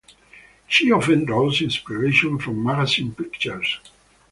She often draws inspiration from magazine pictures.